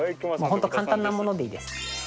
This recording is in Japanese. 本当簡単なものでいいです。